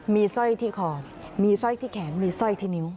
มีสร้อยที่คอมีสร้อยที่แขนมีสร้อยที่นิ้ว